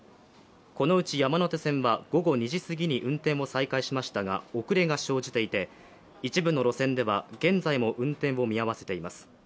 このうち山手線は午後２時過ぎに運転を再開しましたが、遅れが生じていて、一部の路線では現在も運転を見合わせています。